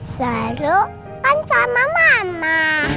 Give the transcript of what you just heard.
seru kan sama mama